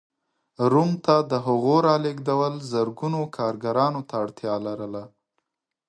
روم ته د هغو رالېږدول زرګونو کارګرانو ته اړتیا لرله.